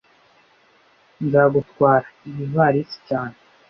Nzagutwara iyi ivalisi cyane